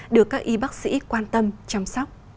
được các y bác sĩ quan tâm chăm sóc